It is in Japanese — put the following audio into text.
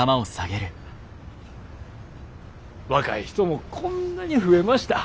若い人もこんなに増えました。